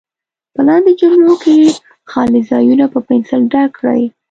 په لاندې جملو کې خالي ځایونه په پنسل ډک کړئ.